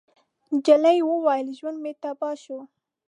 نجلۍ وويل: ژوند مې تباه شو.